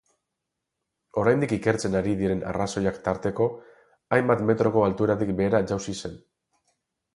Oraindik ikertzen ari diren arrazoiak tarteko, hainbat metroko altueratik behera jausi zen.